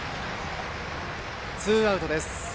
ツーアウトです。